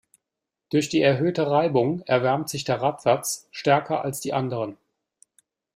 Durch die erhöhte Reibung erwärmt sich der Radsatz stärker als die anderen.